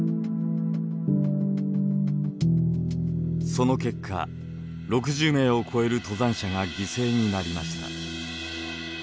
その結果６０名を超える登山者が犠牲になりました。